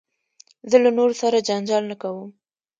زه له نورو سره جنجال نه کوم.